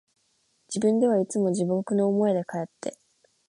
自分ではいつも地獄の思いで、かえって、